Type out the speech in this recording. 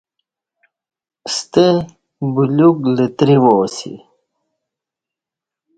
ستہ بلیوک لتری وا اسی۔